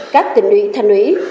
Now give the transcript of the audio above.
các tỉnh ủy thành ủy